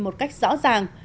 một cách rõ ràng